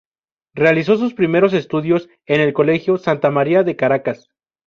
Realizó sus primeros estudios en el Colegio "Santa María de Caracas".